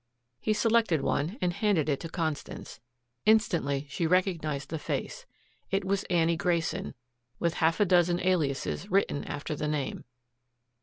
He selected one and handed it to Constance. Instantly she recognized the face. It was Annie Grayson, with half a dozen aliases written after the name.